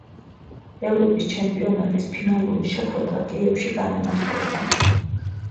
ევროპის ჩემპიონატის ფინალური შეხვედრა კიევში გაიმართება.